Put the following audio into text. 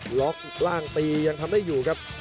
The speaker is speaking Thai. ฤทธิ์ล็อคร่างตียังทำได้อยู่ครับ